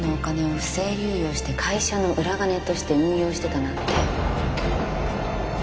不正流用して会社の裏金として運用してたなんて